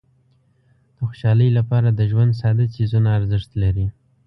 د خوشحالۍ لپاره د ژوند ساده څیزونه ارزښت لري.